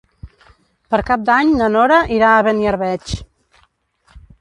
Per Cap d'Any na Nora irà a Beniarbeig.